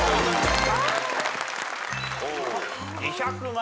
２００万！